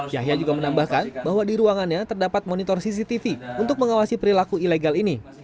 yahya juga menambahkan bahwa di ruangannya terdapat monitor cctv untuk mengawasi perilaku ilegal ini